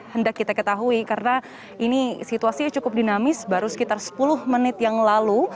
hendak kita ketahui karena ini situasinya cukup dinamis baru sekitar sepuluh menit yang lalu